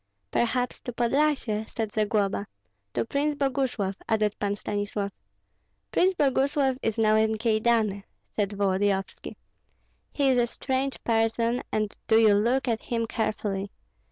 "Perhaps to Podlyasye?" said Zagloba. "To Prince Boguslav," added Pan Stanislav. "Prince Boguslav is now in Kyedani," said Volodyovski. "He is a strange person, and do you look at him carefully.